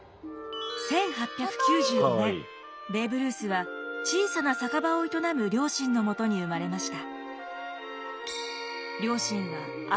１８９５年ベーブ・ルースは小さな酒場を営む両親のもとに生まれました。